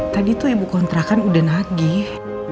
tadi tuh ibu kontrakan udah nagih